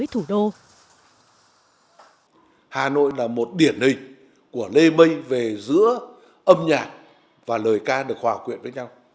hà nội là một điển hình của lê mây về giữa âm nhạc và lời ca được hòa quyện với nhau